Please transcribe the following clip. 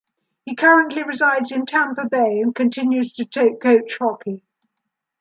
He currently resides in Tampa Bay and continues to coach hockey.